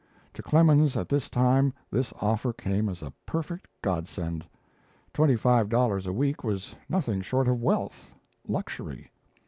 To Clemens at this time, this offer came as a perfect godsend. Twenty five dollars a week was nothing short of wealth, luxury.